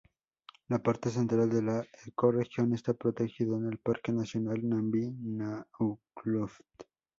La parte central de la ecorregión está protegida en el Parque Nacional Namib-Naukluft.